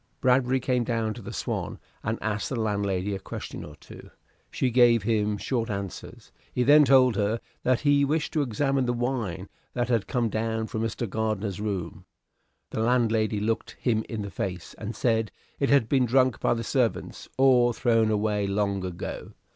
Bradbury came down to the "Swan," and asked the landlady a question or two. She gave him short answers. He then told her that he wished to examine the wine that had come down from Mr. Gardiner's room. The landlady looked him in the face, and said it had been drunk by the servants or thrown away long ago.